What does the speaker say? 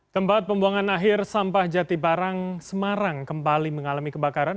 tempat pembuangan akhir sampah jati barang semarang kembali mengalami kebakaran